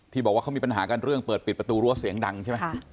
บอกว่าเขามีปัญหากันเรื่องเปิดปิดประตูรั้วเสียงดังใช่ไหม